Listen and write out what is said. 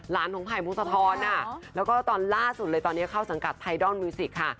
ของไผ่พงศธรแล้วก็ตอนล่าสุดเลยตอนนี้เข้าสังกัดไอดอลมิวสิกค่ะ